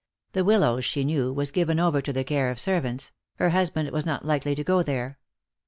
The Wil lows, she knew, was given over to the care of servants; her husband was not likely to go there.